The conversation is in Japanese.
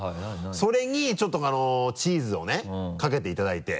それにちょっとチーズをねかけていただいて。